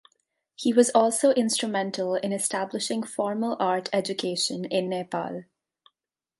He was also instrumental in establishing formal art education in Nepal.